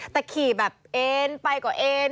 แต่ขี่แบบเอ็นไปกว่าเอ็น